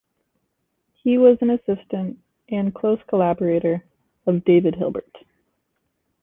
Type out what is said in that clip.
He was an assistant and close collaborator of David Hilbert.